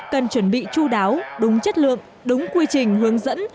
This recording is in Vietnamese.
cần chuẩn bị chú đáo đúng chất lượng đúng quy trình hướng dẫn